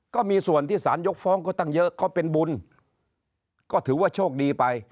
ก็มีส่วนที่สารยกฟ้องก็ตั้งเยอะก็เป็นบุญก็ถือว่าโชคดีไป